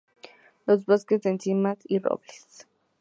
Bosques de encinas y robles.